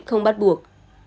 không bắt buộc